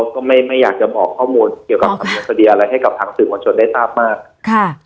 ก็ไม่ไม่อยากจะบอกข้อมูลเกี่ยวกับทางสื่อขวัญชนได้ตาบมากค่ะ